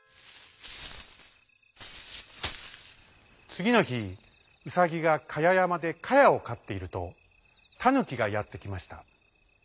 つぎのひウサギがかややまでかやをかっているとタヌキがやってきました。